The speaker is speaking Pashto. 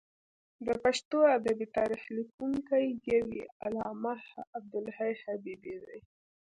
د پښتو ادبي تاریخ لیکونکی یو یې علامه عبدالحی حبیبي دی.